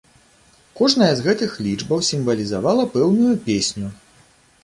Кожная з гэтых лічбаў сімвалізавала пэўную песню.